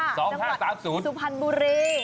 ๒๕๓๐จังหวัดสุพันธ์บุรี